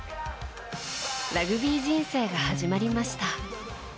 ラグビー人生が始まりました。